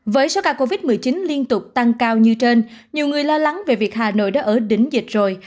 với số ca covid một mươi chín liên tục tăng cao như trên nhiều người lo lắng về việc hà nội đã ở đỉnh dịch rồi